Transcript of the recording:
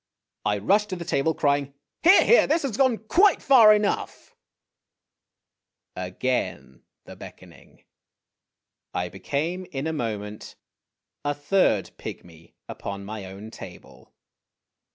I rushed to the table, crying, " Here ! here ! this has gone quite far enough !' Again the beckoning. I became in a moment a third pygmy upon my own table.